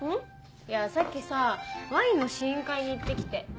いやさっきさワインの試飲会に行って来て。